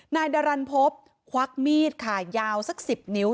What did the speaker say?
นายดารันพบควักมีดค่ะยาวสัก๑๐นิ้ว